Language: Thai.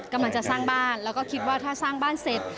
กำลังจะสร้างบ้านแล้วก็คิดว่าถ้าสร้างบ้านเสร็จ